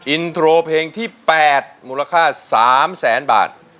อินโทรเพลงที่๘มูลค่า๓แสนบาท